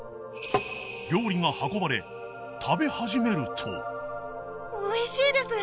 ［料理が運ばれ食べ始めると］